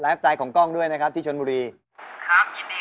ไลฟ์ไตล์ของกล้องด้วยนะครับที่ชนบุรีนี่ชนบุรี